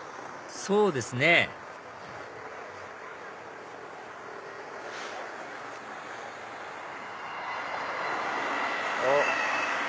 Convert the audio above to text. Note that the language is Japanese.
そうですねおっ。